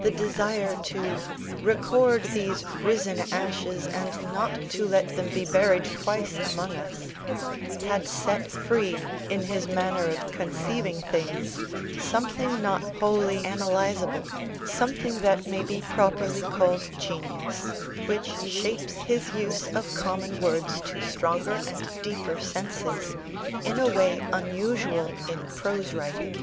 The desire to "record these risen ashes and not to let them be buried twice among us," had set free, in his manner of conceiving things, something not wholly analysable, something that may be properly called genius, which shapes his use of common words to stronger and deeper senses, in a way unusual in prose writing.